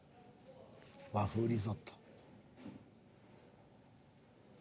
和風リゾット。